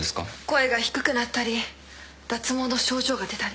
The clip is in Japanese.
声が低くなったり脱毛の症状が出たり。